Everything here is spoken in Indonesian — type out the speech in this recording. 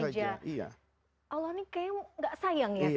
allah ini kayaknya tidak sayang ya sama orang islam